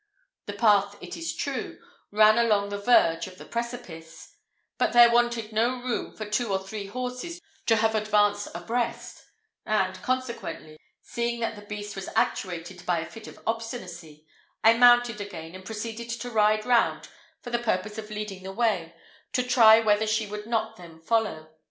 The path, it is true, ran along on the verge of the precipice, but there wanted no room for two or three horses to have advanced abreast, and, consequently, seeing that the beast was actuated by a fit of obstinacy, I mounted again, and proceeded to ride round for the purpose of leading the way, to try whether she would not then follow.